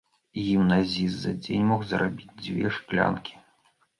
Гімназіст за дзень мог зарабіць дзве шклянкі.